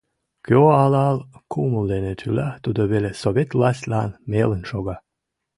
Кӧ алал кумыл дене тӱла, тудо веле Совет властьлан мелын шога.